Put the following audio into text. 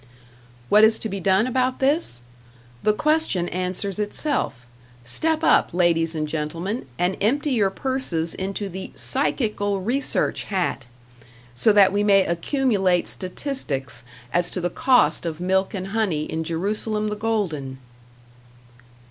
What is to be done about this? The question answers itself: Step up, ladies and gentlemen, and empty your purses into the Psychical Research hat! So that we may accumulate statistics as to the cost of milk and honey in Jerusalem the Golden!